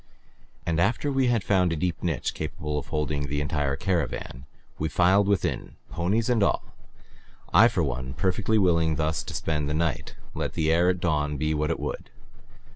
And after we had found a deep niche capable of holding the entire caravan we filed within, ponies and all, I for one perfectly willing thus to spend the night, let the air at dawn be what it would.